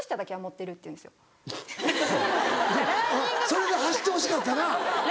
それで走ってほしかったな。